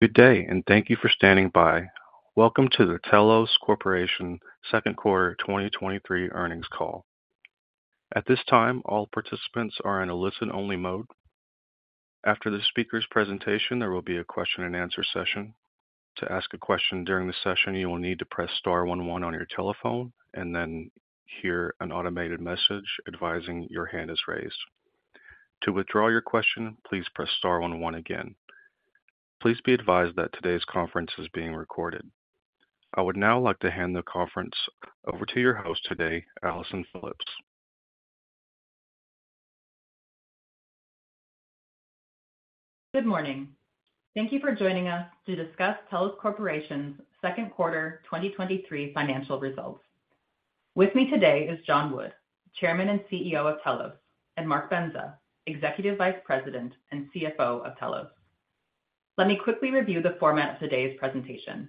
Good day, and thank you for standing by. Welcome to the Telos Corporation Second Quarter 2023 earnings call. At this time, all participants are in a listen-only mode. After the speaker's presentation, there will be a question-and-answer session. To ask a question during the session, you will need to press star one one on your telephone and then hear an automated message advising your hand is raised. To withdraw your question, please press star one one again. Please be advised that today's conference is being recorded. I would now like to hand the conference over to your host today, Allison Phillips. Good morning. Thank you for joining us to discuss Telos Corporation's second quarter 2023 financial results. With me today is John Wood, Chairman and CEO of Telos, and Mark Bendza, Executive Vice President and CFO of Telos. Let me quickly review the format of today's presentation.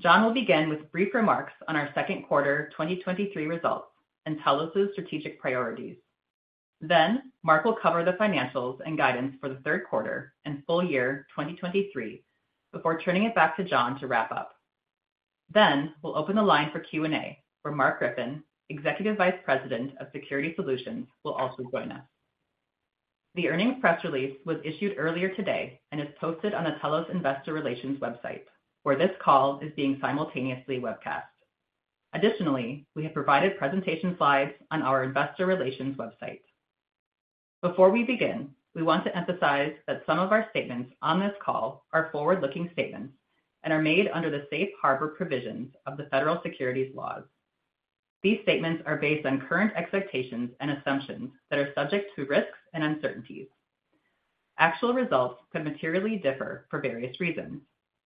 John will begin with brief remarks on our second quarter 2023 results and Telos's strategic priorities. Mark will cover the financials and guidance for the third quarter and full year 2023 before turning it back to John to wrap up. We'll open the line for Q&A, where Mark Griffin, Executive Vice President of Security Solutions, will also join us. The earnings press release was issued earlier today and is posted on the Telos Investor Relations website, where this call is being simultaneously webcast. Additionally, we have provided presentation slides on our investor relations website. Before we begin, we want to emphasize that some of our statements on this call are forward-looking statements and are made under the safe harbor provisions of the federal securities laws. These statements are based on current expectations and assumptions that are subject to risks and uncertainties. Actual results could materially differ for various reasons,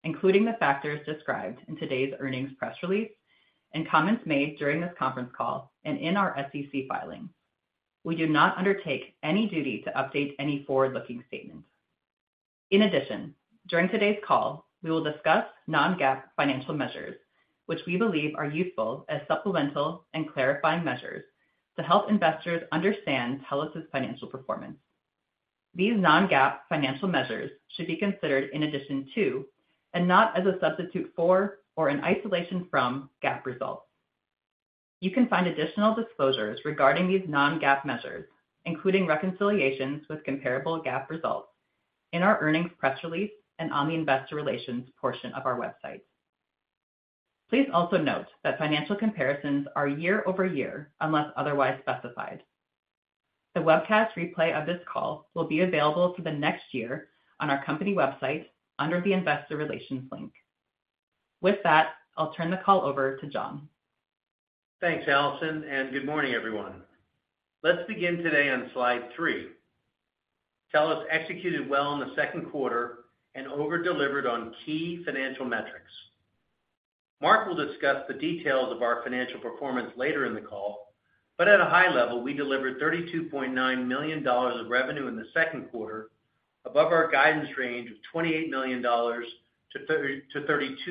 including the factors described in today's earnings press release and comments made during this conference call and in our SEC filing. We do not undertake any duty to update any forward-looking statements. In addition, during today's call, we will discuss non-GAAP financial measures, which we believe are useful as supplemental and clarifying measures to help investors understand Telos's financial performance. These non-GAAP financial measures should be considered in addition to, and not as a substitute for or in isolation from, GAAP results. You can find additional disclosures regarding these non-GAAP measures, including reconciliations with comparable GAAP results, in our earnings press release and on the investor relations portion of our website. Please also note that financial comparisons are year-over-year, unless otherwise specified. The webcast replay of this call will be available for the next year on our company website under the Investor Relations link. With that, I'll turn the call over to John. Thanks, Allison, good morning, everyone. Let's begin today on slide 3. Telos executed well in the second quarter and over-delivered on key financial metrics. Mark will discuss the details of our financial performance later in the call, but at a high level, we delivered $32.9 million of revenue in the second quarter, above our guidance range of $28 million-$32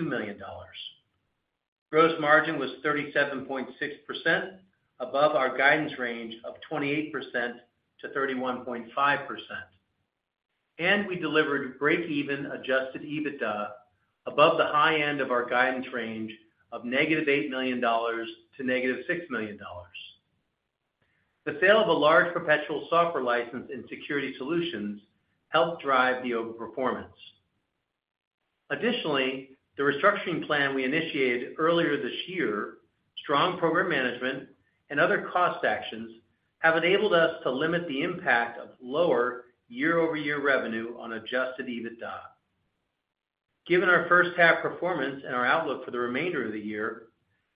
million. Gross margin was 37.6%, above our guidance range of 28%-31.5%, and we delivered break-even adjusted EBITDA above the high end of our guidance range of -$8 million to -$6 million. The sale of a large perpetual software license in Security Solutions helped drive the overperformance. Additionally, the restructuring plan we initiated earlier this year, strong program management, and other cost actions have enabled us to limit the impact of lower year-over-year revenue on adjusted EBITDA. Given our first half performance and our outlook for the remainder of the year,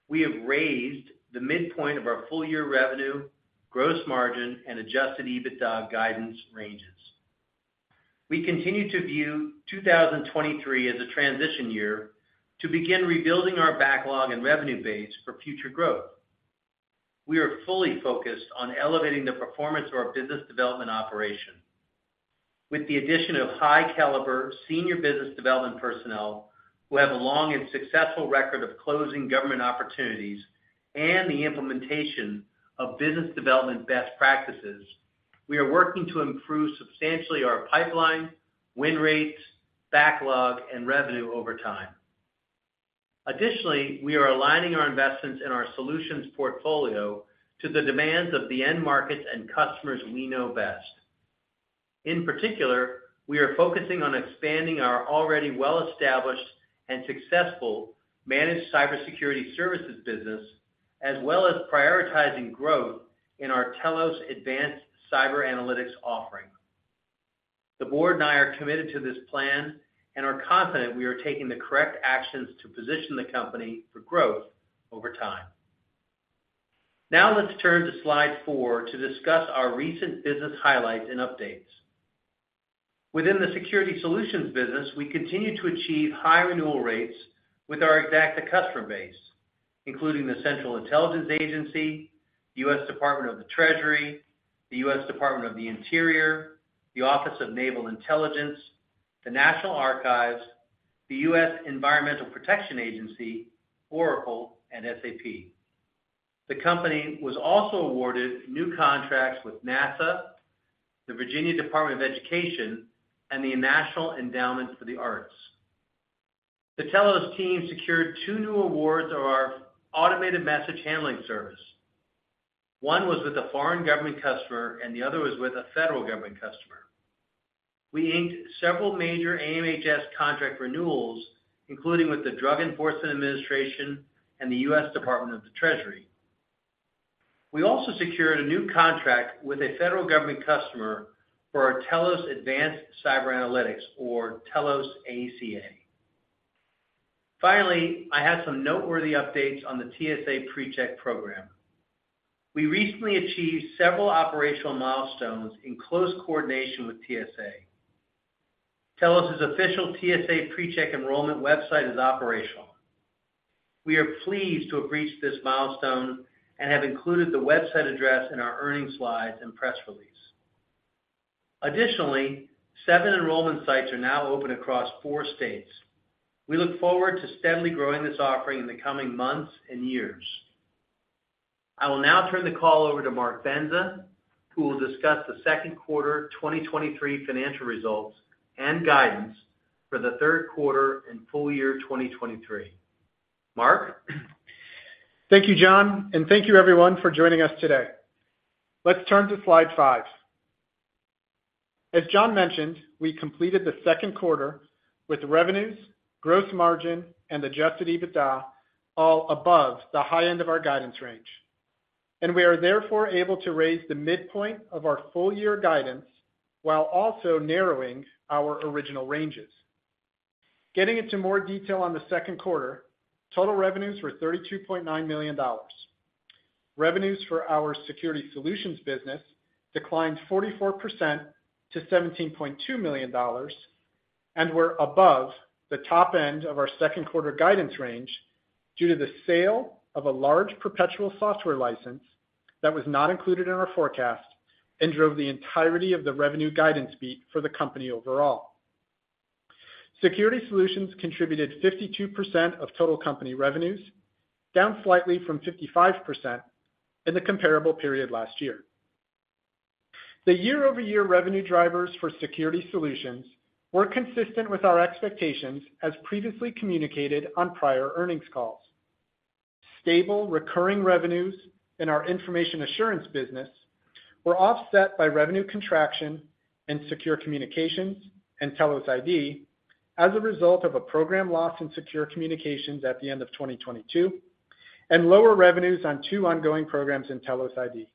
we have raised the midpoint of our full-year revenue, gross margin, and adjusted EBITDA guidance ranges. We continue to view 2023 as a transition year to begin rebuilding our backlog and revenue base for future growth. We are fully focused on elevating the performance of our business development operation. With the addition of high-caliber senior business development personnel, who have a long and successful record of closing government opportunities and the implementation of business development best practices, we are working to improve substantially our pipeline, win rates, backlog, and revenue over time. Additionally, we are aligning our investments in our solutions portfolio to the demands of the end markets and customers we know best. In particular, we are focusing on expanding our already well-established and successful managed cybersecurity services business, as well as prioritizing growth in our Telos Advanced Cyber Analytics offering. The board and I are committed to this plan and are confident we are taking the correct actions to position the company for growth over time. Let's turn to slide four to discuss our recent business highlights and updates. Within the Security Solutions business, we continue to achieve high renewal rates with our Xacta customer base, including the Central Intelligence Agency, U.S. Department of the Treasury, the U.S. Department of the Interior, the Office of Naval Intelligence, the National Archives, the U.S. Environmental Protection Agency, Oracle, and SAP. The company was also awarded new contracts with NASA, the Virginia Department of Education, and the National Endowment for the Arts. The Telos team secured two new awards of our Automated Message Handling System. One was with a foreign government customer, and the other was with a federal government customer. We inked several major AMHS contract renewals, including with the Drug Enforcement Administration and the U.S. Department of the Treasury. We also secured a new contract with a federal government customer for our Telos Advanced Cyber Analytics, or Telos ACA. Finally, I have some noteworthy updates on the TSA PreCheck program. We recently achieved several operational milestones in close coordination with TSA. Telos' official TSA PreCheck enrollment website is operational. We are pleased to have reached this milestone and have included the website address in our earnings slides and press release. Additionally, seven enrollment sites are now open across four states. We look forward to steadily growing this offering in the coming months and years. I will now turn the call over to Mark Bendza, who will discuss the second quarter 2023 financial results and guidance for the third quarter and full year 2023. Mark? Thank you, John. Thank you everyone for joining us today. Let's turn to slide 5. As John mentioned, we completed the second quarter with revenues, gross margin, and adjusted EBITDA all above the high end of our guidance range. We are therefore able to raise the midpoint of our full-year guidance while also narrowing our original ranges. Getting into more detail on the second quarter, total revenues were $32.9 million. Revenues for our Security Solutions business declined 44% to $17.2 million and were above the top end of our second quarter guidance range due to the sale of a large perpetual software license that was not included in our forecast and drove the entirety of the revenue guidance beat for the company overall. Security Solutions contributed 52% of total company revenues, down slightly from 55% in the comparable period last year. The year-over-year revenue drivers for Security Solutions were consistent with our expectations, as previously communicated on prior earnings calls. Stable, recurring revenues in our information assurance business were offset by revenue contraction in secure communications and Telos ID as a result of a program loss in secure communications at the end of 2022, and lower revenues on two ongoing programs in Telos ID.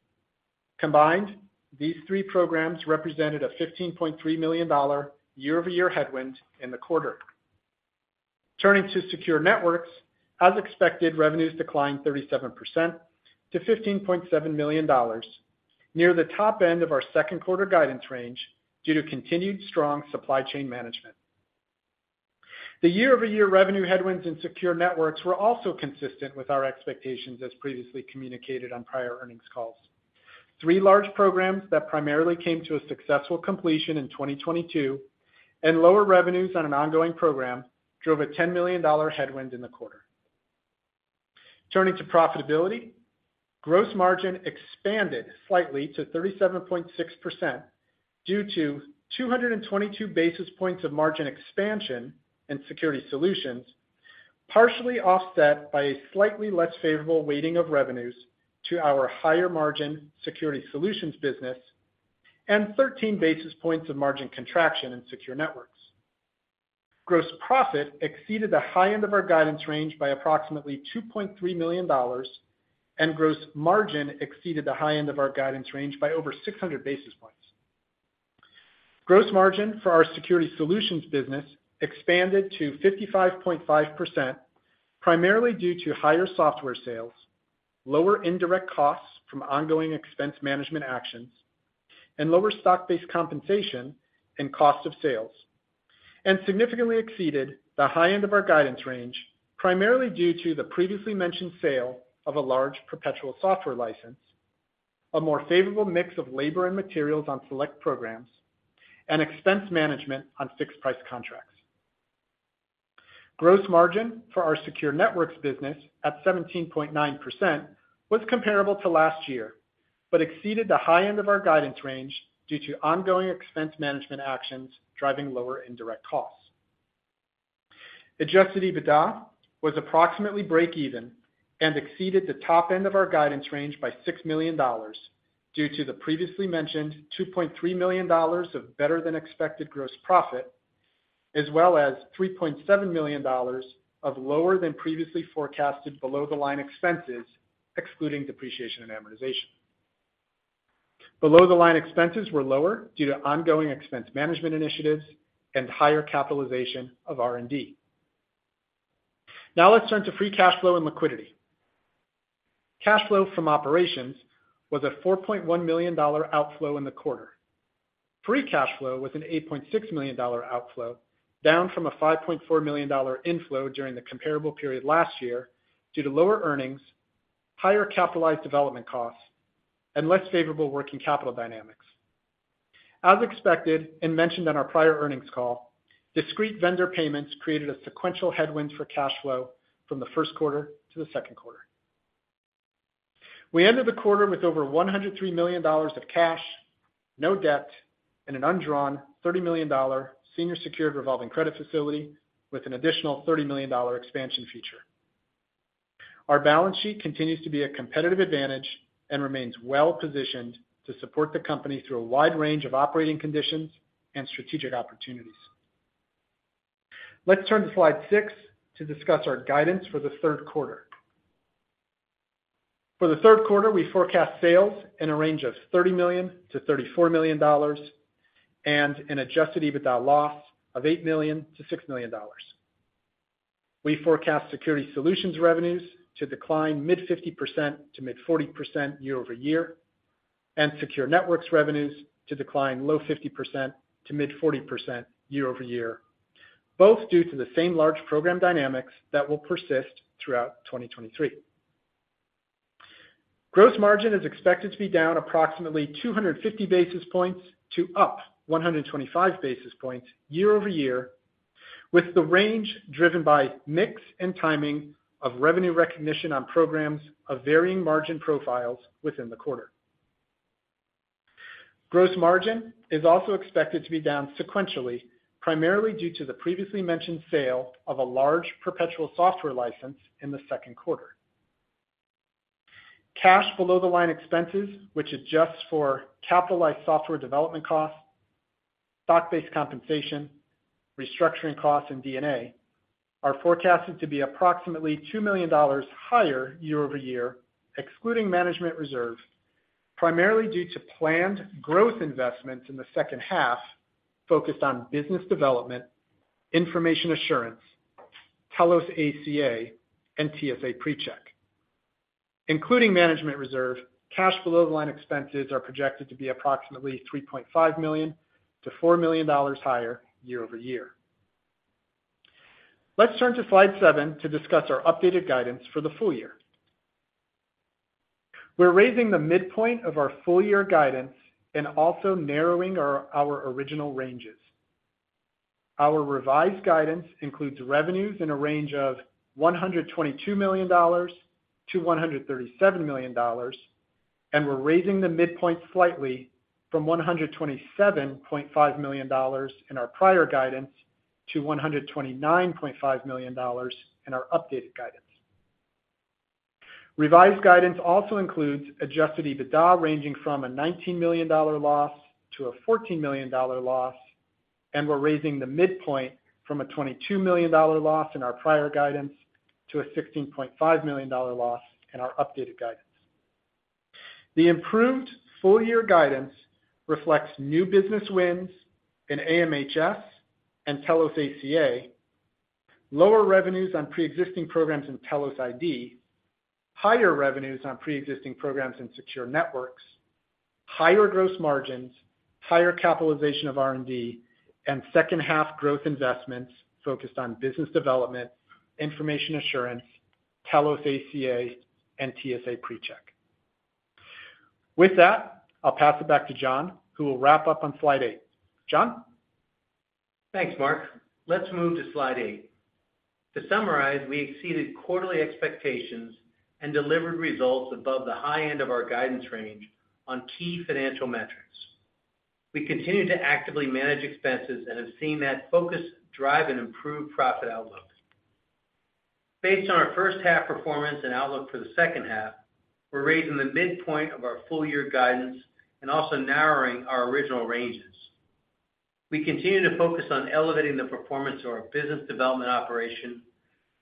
Combined, these three programs represented a $15.3 million year-over-year headwind in the quarter. Turning to Secure Networks, as expected, revenues declined 37% to $15.7 million, near the top end of our second quarter guidance range, due to continued strong supply chain management. The year-over-year revenue headwinds in Secure Networks were also consistent with our expectations, as previously communicated on prior earnings calls. Three large programs that primarily came to a successful completion in 2022, and lower revenues on an ongoing program drove a $10 million headwind in the quarter. Turning to profitability, gross margin expanded slightly to 37.6% due to 222 basis points of margin expansion in Security Solutions, partially offset by a slightly less favorable weighting of revenues to our higher-margin Security Solutions business and 13 basis points of margin contraction in Secure Networks. Gross profit exceeded the high end of our guidance range by approximately $2.3 million, and gross margin exceeded the high end of our guidance range by over 600 basis points. Gross margin for our Security Solutions business expanded to 55.5%, primarily due to higher software sales, lower indirect costs from ongoing expense management actions, and lower stock-based compensation and cost of sales, and significantly exceeded the high end of our guidance range, primarily due to the previously mentioned sale of a large perpetual software license, a more favorable mix of labor and materials on select programs, and expense management on fixed-price contracts. Gross margin for our Secure Networks business at 17.9% was comparable to last year, exceeded the high end of our guidance range due to ongoing expense management actions driving lower indirect costs. Adjusted EBITDA was approximately break even and exceeded the top end of our guidance range by $6 million due to the previously mentioned $2.3 million of better-than-expected gross profit, as well as $3.7 million of lower than previously forecasted below-the-line expenses, excluding depreciation and amortization. Below-the-line expenses were lower due to ongoing expense management initiatives and higher capitalization of R&D. Let's turn to free cash flow and liquidity. Cash flow from operations was a $4.1 million outflow in the quarter. Free cash flow was an $8.6 million outflow, down from a $5.4 million inflow during the comparable period last year due to lower earnings, higher capitalized development costs, and less favorable working capital dynamics.... as expected and mentioned on our prior earnings call, discrete vendor payments created a sequential headwind for cash flow from the first quarter to the second quarter. We ended the quarter with over $103 million of cash, no debt, and an undrawn $30 million senior secured revolving credit facility with an additional $30 million expansion feature. Our balance sheet continues to be a competitive advantage and remains well-positioned to support the company through a wide range of operating conditions and strategic opportunities. Let's turn to slide 6 to discuss our guidance for the third quarter. For the third quarter, we forecast sales in a range of $30 million-$34 million and an adjusted EBITDA loss of $8 million-$6 million. We forecast Security Solutions revenues to decline mid-50%-mid-40% year-over-year, and Secure Networks revenues to decline low 50%-mid-40% year-over-year, both due to the same large program dynamics that will persist throughout 2023. Gross margin is expected to be down approximately 250 basis points to up 125 basis points year-over-year, with the range driven by mix and timing of revenue recognition on programs of varying margin profiles within the quarter. Gross margin is also expected to be down sequentially, primarily due to the previously mentioned sale of a large perpetual software license in the second quarter. Cash below-the-line expenses, which adjusts for capitalized software development costs, stock-based compensation, restructuring costs, and D&A, are forecasted to be approximately $2 million higher year-over-year, excluding management reserves, primarily due to planned growth investments in the second half, focused on business development, information assurance, Telos ACA, and TSA PreCheck. Including management reserve, cash below-the-line expenses are projected to be approximately $3.5 million-$4 million higher year-over-year. Let's turn to slide 7 to discuss our updated guidance for the full year. We're raising the midpoint of our full-year guidance and also narrowing our original ranges. Our revised guidance includes revenues in a range of $122 million-$137 million, we're raising the midpoint slightly from $127.5 million in our prior guidance to $129.5 million in our updated guidance. Revised guidance also includes adjusted EBITDA ranging from a $19 million loss-$14 million loss, we're raising the midpoint from a $22 million loss in our prior guidance to a $16.5 million loss in our updated guidance. The improved full-year guidance reflects new business wins in AMHS and Telos ACA, lower revenues on pre-existing programs in Telos ID, higher revenues on pre-existing programs in Secure Networks, higher gross margins, higher capitalization of R&D, and second-half growth investments focused on business development, information assurance, Telos ACA, and TSA PreCheck. With that, I'll pass it back to John, who will wrap up on slide 8. John? Thanks, Mark. Let's move to slide 8. To summarize, we exceeded quarterly expectations and delivered results above the high end of our guidance range on key financial metrics. We continue to actively manage expenses and have seen that focus drive and improve profit outlook. Based on our first half performance and outlook for the second half, we're raising the midpoint of our full-year guidance and also narrowing our original ranges. We continue to focus on elevating the performance of our business development operation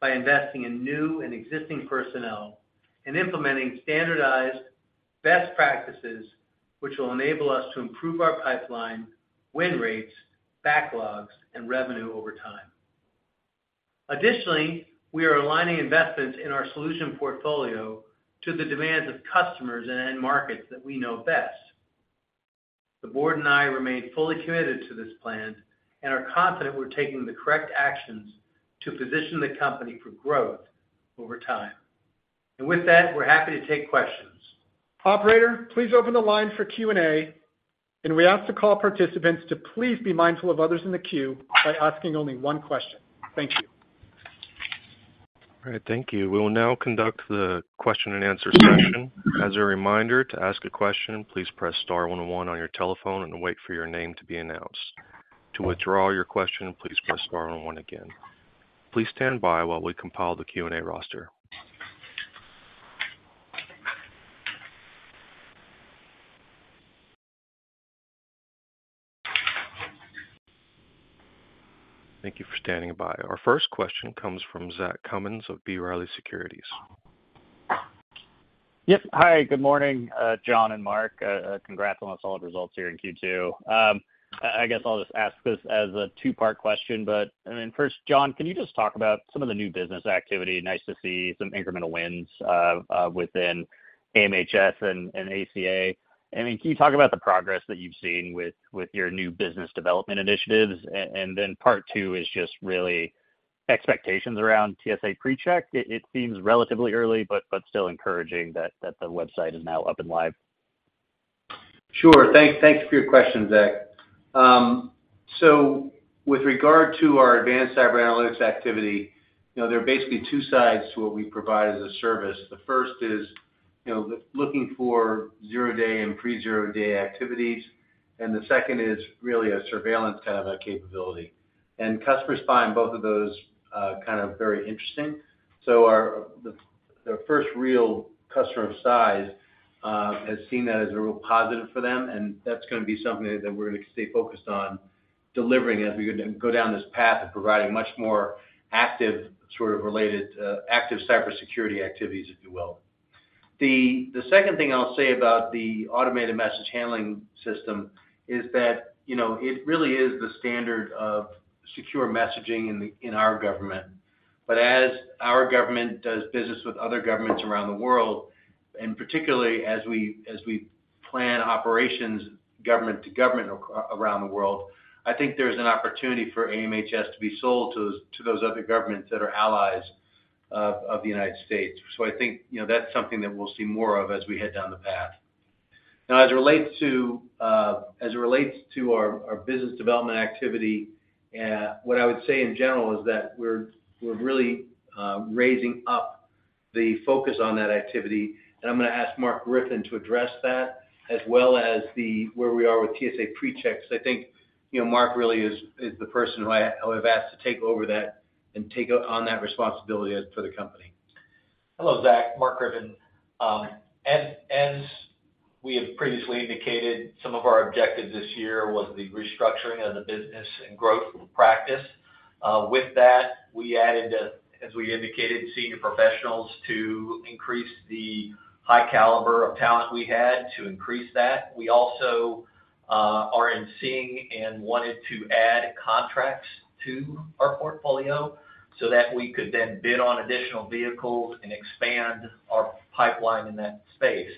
by investing in new and existing personnel and implementing standardized best practices, which will enable us to improve our pipeline, win rates, backlogs, and revenue over time. Additionally, we are aligning investments in our solution portfolio to the demands of customers and end markets that we know best. The board and I remain fully committed to this plan and are confident we're taking the correct actions to position the company for growth over time. With that, we're happy to take questions. Operator, please open the line for Q&A, and we ask the call participants to please be mindful of others in the queue by asking only one question. Thank you. All right, thank you. We will now conduct the question and answer session. As a reminder, to ask a question, please press star one on your telephone and wait for your name to be announced. To withdraw your question, please press star one again. Please stand by while we compile the Q&A roster. Thank you for standing by. Our first question comes from Zach Cummins of B. Riley Securities. Yep. Hi, good morning, John and Mark. Congrats on all the results here in Q2. I, I guess I'll just ask this as a two-part question, but, I mean, first, John, can you just talk about some of the new business activity? Nice to see some incremental wins within AMHS and, and ACA. I mean, can you talk about the progress that you've seen with, with your new business development initiatives? Then part two is just really expectations around TSA PreCheck? It, it seems relatively early, but, but still encouraging that, that the website is now up and live. Sure. Thank, thank you for your question, Zach. With regard to our advanced cyber analytics activity, you know, there are basically two sides to what we provide as a service. The first is, you know, the looking for zero-day and pre-zero-day activities, and the second is really a surveillance kind of a capability. Customers find both of those kind of very interesting. The first real customer of size has seen that as a real positive for them, and that's gonna be something that we're gonna stay focused on delivering as we go, go down this path of providing much more active, sort of related, active cybersecurity activities, if you will. The second thing I'll say about the Automated Message Handling System is that, you know, it really is the standard of secure messaging in the, in our government. As our government does business with other governments around the world, and particularly as we, as we plan operations, government to government around the world, I think there's an opportunity for AMHS to be sold to those, to those other governments that are allies of, of the United States. I think, you know, that's something that we'll see more of as we head down the path. As it relates to, as it relates to our, our business development activity, what I would say in general is that we're, we're really raising up the focus on that activity. I'm gonna ask Mark Griffin to address that, as well as where we are with TSA PreCheck. I think, you know, Mark really is the person who I've asked to take over that and take on that responsibility as for the company. Hello, Zach, Mark Griffin. As, as we have previously indicated, some of our objectives this year was the restructuring of the business and growth practice. With that, we added, as, as we indicated, senior professionals to increase the high caliber of talent we had, to increase that. We also are seeing and wanted to add contracts to our portfolio so that we could then bid on additional vehicles and expand our pipeline in that space.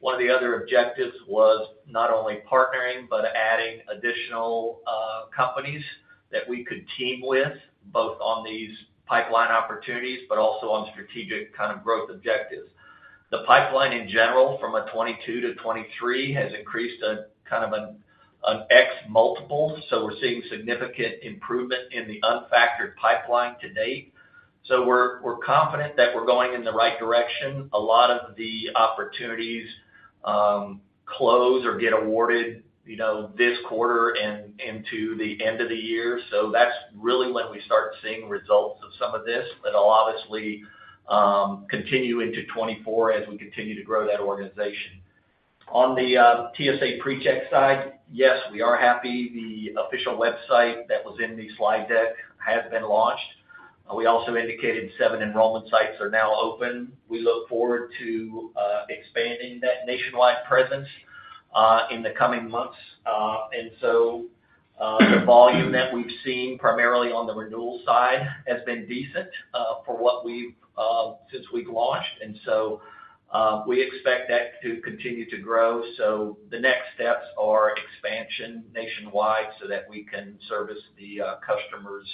One of the other objectives was not only partnering, but adding additional companies that we could team with, both on these pipeline opportunities, but also on strategic kind of growth objectives. The pipeline, in general, from a 2022 to 2023, has increased a kind of an, an X multiple, so we're seeing significant improvement in the unfactored pipeline to date. We're, we're confident that we're going in the right direction. A lot of the opportunities, close or get awarded, you know, this quarter and, and to the end of the year. That's really when we start seeing results of some of this, but it'll obviously, continue into 2024 as we continue to grow that organization. On the TSA PreCheck side, yes, we are happy. The official website that was in the slide deck has been launched. We also indicated seven enrollment sites are now open. We look forward to expanding that nationwide presence in the coming months. The volume that we've seen, primarily on the renewal side, has been decent for what we've since we've launched, and so we expect that to continue to grow. The next steps are expansion nationwide so that we can service the customers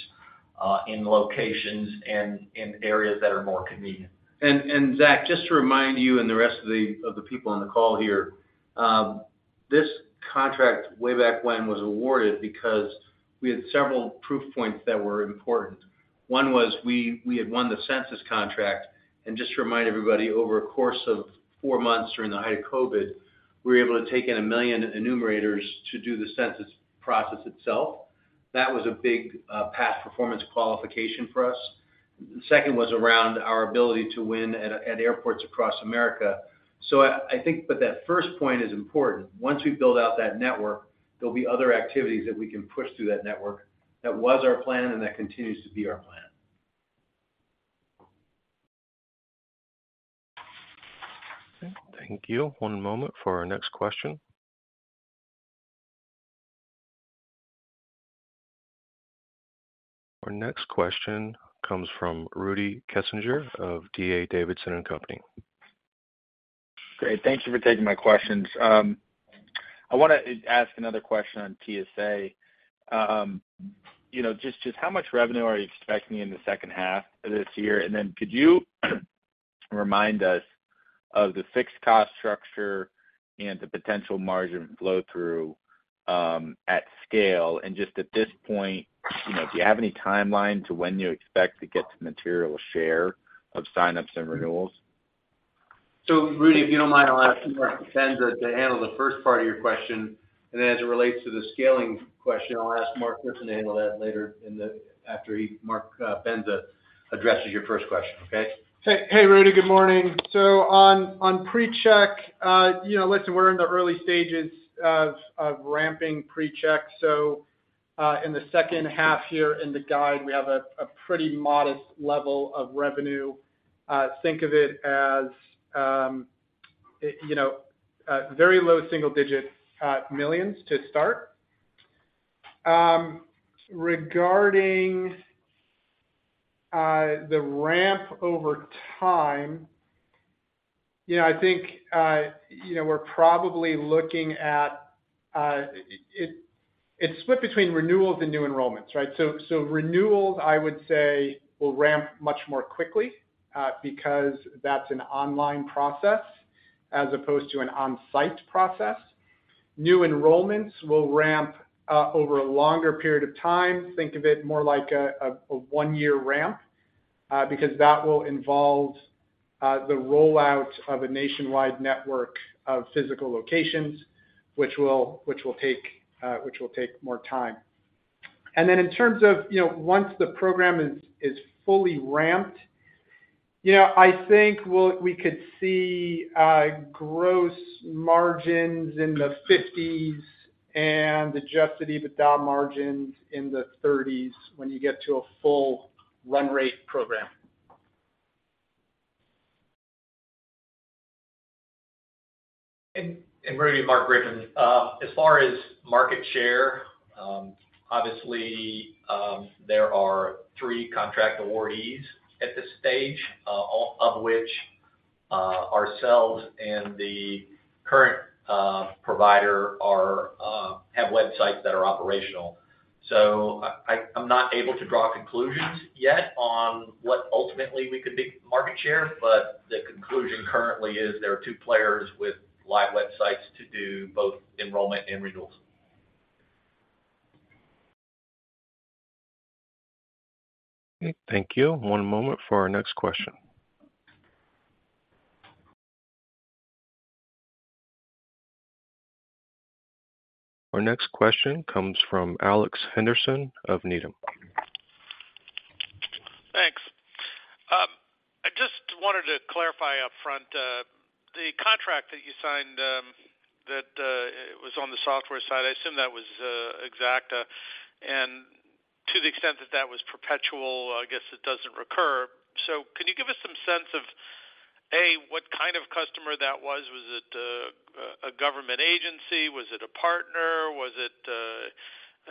in locations and in areas that are more convenient. Zach, just to remind you and the rest of the people on the call here, this contract, way back when, was awarded because we had several proof points that were important. One was, we had won the census contract. Just to remind everybody, over a course of four months during the height of COVID, we were able to take in 1 million enumerators to do the census process itself. That was a big past performance qualification for us. The second was around our ability to win at airports across America. I think but that first point is important. Once we build out that network, there'll be other activities that we can push through that network. That was our plan, and that continues to be our plan. Okay, thank you. One moment for our next question. Our next question comes from Rudy Kessinger of D.A. Davidson & Co.. Great, thank you for taking my questions. I wanna ask another question on TSA. you know, just, just how much revenue are you expecting in the second half of this year? Then could you, remind us of the fixed cost structure and the potential margin flow-through at scale? Just at this point, you know, do you have any timeline to when you expect to get to material share of sign-ups and renewals? Rudy, if you don't mind, I'll ask Mark Bendza to handle the first part of your question, and then as it relates to the scaling question, I'll ask Mark Griffin to handle that later in the after he, Mark, Bendza addresses your first question, okay? Hey, Hey, Rudy. Good morning. On, on PreCheck, you know, listen, we're in the early stages of, of ramping PreCheck, so, in the second half here in the guide, we have a pretty modest level of revenue. Think of it as, you know, a very low single digit millions to start. Regarding, the ramp over time...... Yeah, I think, you know, we're probably looking at, it's split between renewals and new enrollments, right? Renewals, I would say, will ramp much more quickly, because that's an online process as opposed to an on-site process. New enrollments will ramp, over a longer period of time. Think of it more like a one-year ramp, because that will involve, the rollout of a nationwide network of physical locations, which will take, which will take more time. In terms of, you know, once the program is, is fully ramped, you know, I think we'll, we could see, gross margins in the 50s and adjusted EBITDA margins in the 30s when you get to a full run rate program. Mark Griffin, as far as market share, obviously, there are three contract awardees at this stage, all of which, ourselves and the current, provider, have websites that are operational. So I, I, I'm not able to draw conclusions yet on what ultimately we could be market share, but the conclusion currently is there are two players with live websites to do both enrollment and renewals. Okay, thank you. One moment for our next question. Our next question comes from Alex Henderson of Needham. Thanks. I just wanted to clarify upfront, the contract that you signed, that it was on the software side. I assume that was Xacta. And to the extent that that was perpetual, I guess it doesn't recur. So can you give us some sense of, A, what kind of customer that was? Was it a government agency? Was it a partner? Was it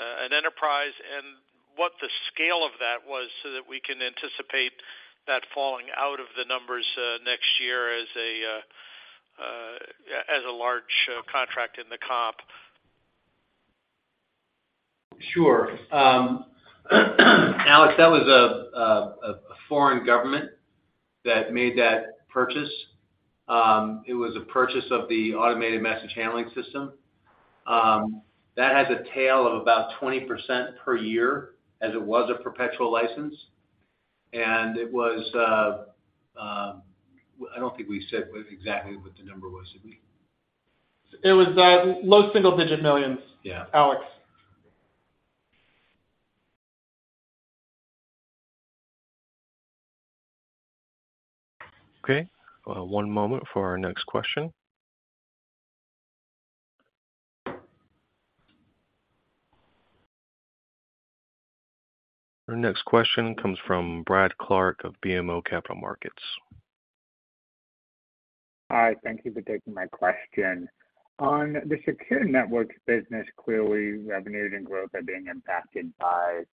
an enterprise? And what the scale of that was so that we can anticipate that falling out of the numbers next year as a, as a large, contract in the comp. Sure. Alex, that was a, a, a foreign government that made that purchase. It was a purchase of the Automated Message Handling System. That has a tail of about 20% per year as it was a perpetual license, and it was... I don't think we said exactly what the number was, did we? It was, low single-digit millions. Yeah. -Alex. Okay, 1 moment for our next question. Our next question comes from Brad Clark of BMO Capital Markets. Hi, thank you for taking my question. On the Secure Networks business, clearly, revenues and growth are being impacted by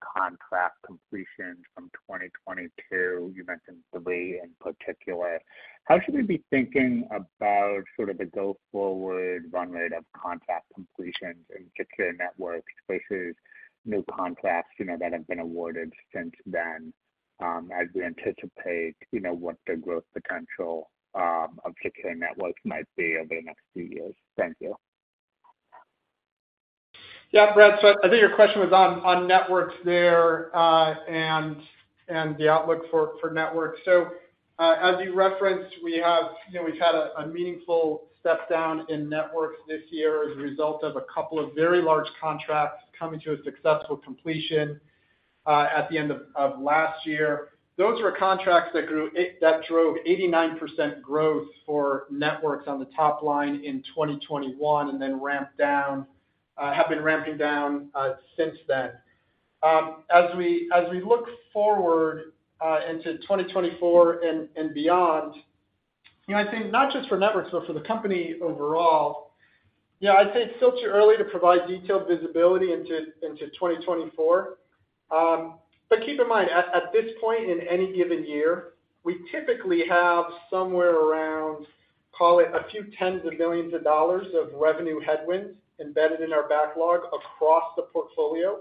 contract completions from 2022. You mentioned three in particular. How should we be thinking about sort of the go-forward run rate of contract completions and Secure Networks versus new contracts, you know, that have been awarded since then, as we anticipate, you know, what the growth potential of Secure Networks might be over the next few years? Thank you. Yeah, Brad, I think your question was on, on networks there, and, and the outlook for, for networks. As you referenced, we have, you know, we've had a, a meaningful step down in networks this year as a result of a couple of very large contracts coming to a successful completion, at the end of last year. Those were contracts that grew-- that drove 89% growth for networks on the top line in 2021, and then ramped down, have been ramping down, since then. As we, as we look forward, into 2024 and, and beyond, you know, I think not just for networks, but for the company overall, you know, I'd say it's still too early to provide detailed visibility into, into 2024. Keep in mind, at this point, in any given year, we typically have somewhere around, call it a few tens of millions of dollars of revenue headwinds embedded in our backlog across the portfolio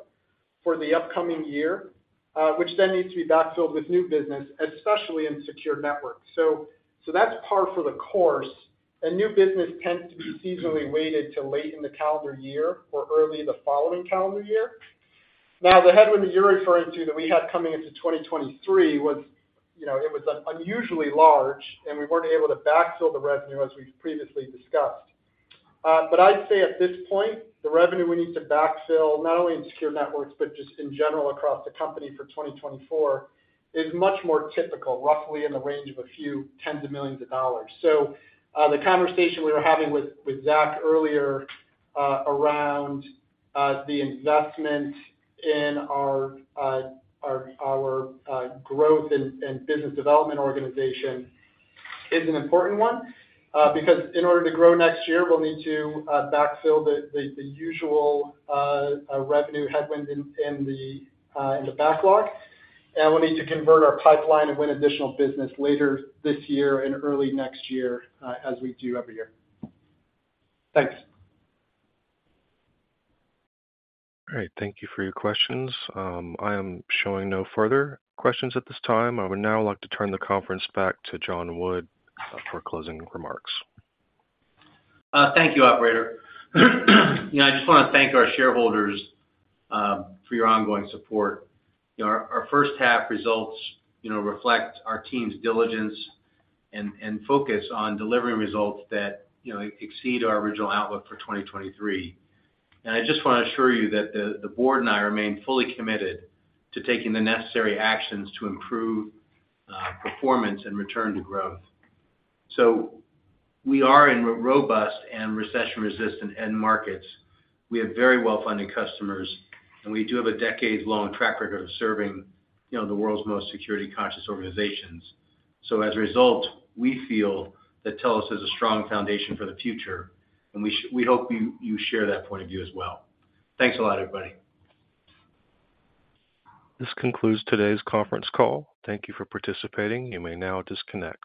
for the upcoming year, which then needs to be backfilled with new business, especially in Secure Networks. So that's par for the course, and new business tends to be seasonally weighted to late in the calendar year or early the following calendar year. The headwind that you're referring to, that we had coming into 2023 was, you know, it was unusually large, and we weren't able to backfill the revenue, as we've previously discussed. I'd say at this point, the revenue we need to backfill, not only in Secure Networks, but just in general across the company for 2024, is much more typical, roughly in the range of a few tens of millions of dollars. The conversation we were having with, with Zach earlier, around the investment in our, our, our growth and business development organization is an important one. In order to grow next year, we'll need to backfill the, the, the usual revenue headwind in, in the in the backlog, and we'll need to convert our pipeline and win additional business later this year and early next year, as we do every year. Thanks. All right, thank you for your questions. I am showing no further questions at this time. I would now like to turn the conference back to John Wood for closing remarks. Thank you, operator. You know, I just wanna thank our shareholders, for your ongoing support. You know, our, our first half results, you know, reflect our team's diligence and, and focus on delivering results that, you know, exceed our original outlook for 2023. I just want to assure you that the, the board and I remain fully committed to taking the necessary actions to improve performance and return to growth. We are in robust and recession-resistant end markets. We have very well-funded customers, and we do have a decades-long track record of serving, you know, the world's most security-conscious organizations. As a result, we feel that Telos is a strong foundation for the future, and we hope you, you share that point of view as well. Thanks a lot, everybody. This concludes today's conference call. Thank you for participating. You may now disconnect.